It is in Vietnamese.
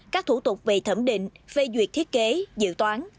các thủ tục về thẩm định phê duyệt thiết kế dự toán